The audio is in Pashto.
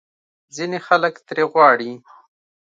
ځینې خلک ترې غواړي